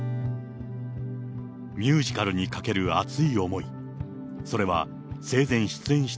ミュージカルに懸ける熱い思い。